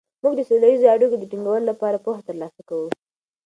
موږ د سوله ییزو اړیکو د ټینګولو لپاره پوهه ترلاسه کوو.